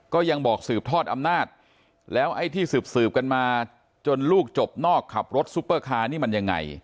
ก็ยังบอกสืบทอดอำนาจแล้วไอ้ที่สืบกันมาจนลูกจบนอกขับรถซุปเปอร์คาร์นี่มันยังไง